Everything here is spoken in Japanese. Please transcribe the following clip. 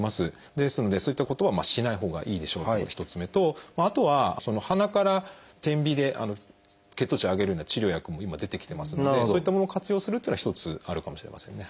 ですのでそういったことはしないほうがいいでしょうというのが１つ目とあとは鼻から点鼻で血糖値を上げるような治療薬も今出てきてますのでそういったものを活用するっていうのは一つあるかもしれませんね。